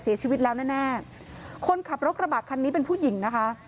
เสียชีวิตแล้วแน่แน่คนขับรถกระบะคันนี้เป็นผู้หญิงนะคะ